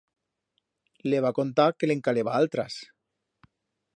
Le va contar que le'n caleba altras.